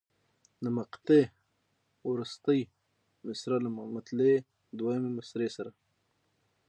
د مقطع وروستۍ مصرع له مطلع دویمې مصرع سره.